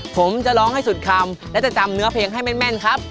ผมจะร้องให้สุดคำและจะจำเนื้อเพลงให้แม่นครับ